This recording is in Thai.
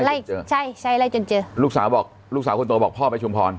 ไล่เจอใช่ใช่ไล่จนเจอลูกสาวบอกลูกสาวคนโตบอกพ่อไปชุมพร